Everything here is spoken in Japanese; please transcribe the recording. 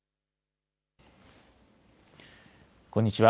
こんにちは。